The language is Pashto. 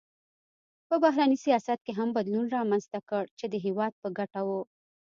په بهرني سیاست کې هم بدلون رامنځته کړ چې د هېواد په ګټه و.